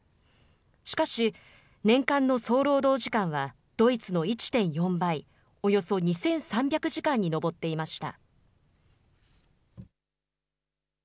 しかし、年間の総労働時間はドイツの１．４倍、およそ２３００時間に上っていました。